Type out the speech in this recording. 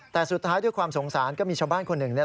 แต่สุดท้ายด้วยความสงสารก็มีชาวบ้านคนหนึ่ง